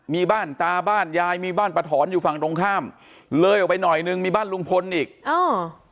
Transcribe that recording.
มีบ้านตาบ้านยายมีบ้านป้าถอนอยู่ฝั่งตรงข้ามเลยออกไปหน่อยหนึ่งมีบ้านลุงพลอีกอ้าว